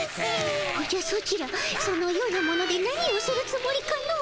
おじゃソチらそのようなもので何をするつもりかの？